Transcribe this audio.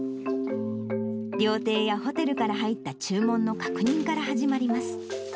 料亭やホテルから入った注文の確認から始まります。